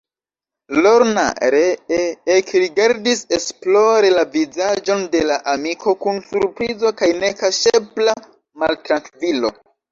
Lorna ree ekrigardis esplore la vizaĝon de la amiko, kun surprizo kaj nekaŝebla maltrankvilo.